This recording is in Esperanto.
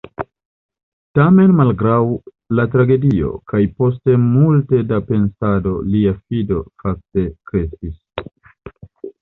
Tamen malgraŭ la tragedio, kaj post multe da pensado, lia fido, fakte, kreskis.